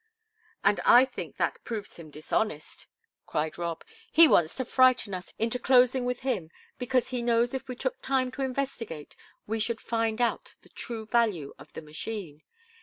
"And I think that proves him dishonest," cried Rob. "He wants to frighten us into closing with him, because he knows if we took time to investigate, we should find out the true value of the machine.